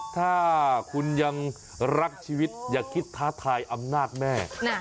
ถ้าคุณยังรักชีวิตอย่าคิดท้าทายอำนาจแม่